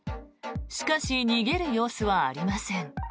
しかし逃げる様子はありません。